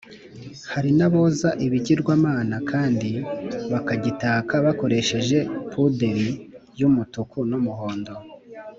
hari n’aboza ikigirwamana kandi bakagitaka bakoresheje puderi y’umutuku n’umuhondo